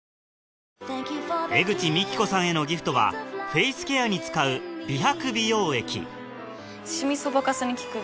江口未来子さんへのギフトはフェイスケアに使う美白美容液シミそばかすに効く